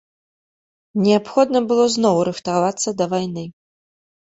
Неабходна было зноў рыхтавацца да вайны.